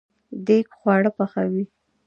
دیګ خواړه پخوي